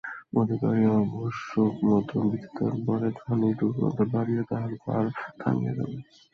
অধিকারীর আবশ্যকমত বিধাতার বরে খানিক দূর পর্যন্ত বাড়িয়া তাহার বাড় থামিয়া গেল।